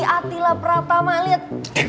atila pratama liat